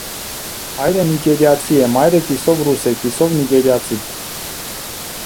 Հայրը նիգերիացի է, մայրը կիսով ռուս է, կիսով՝ նիգերիացի։